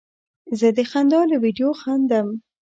زه د خندا له ویډیو خندم.